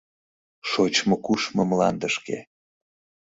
Шочмо-кушмо мландышке.